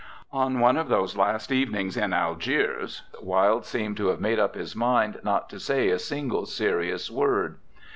On one of those last evenings in Algiers, Wilde seemed to have made up his mind not to say a single serious word.